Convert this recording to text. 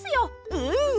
うん！